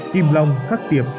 kim long khắc tiệp